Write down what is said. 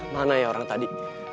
mana ya orang tadi